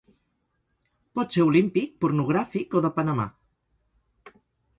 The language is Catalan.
Pot ser olímpic, pornogràfic o de Panamà.